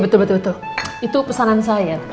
iya betul betul itu pesanan saya